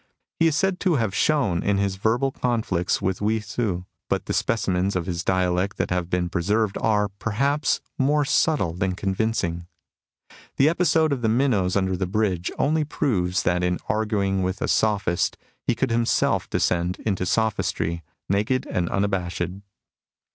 He is said to have shone in his verbal conflicts with Hui Tzu, but the specimens of his dialectic that have been preserved are, perhaps, more subtle than convincing. The episode of the minnows under the bridge * only proves that in arguing with a sophist he could himself descend to sophistry naked and unabashed.